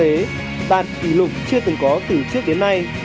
kinh tế đạt kỷ lục chưa từng có từ trước đến nay